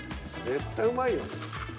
絶対うまいやん。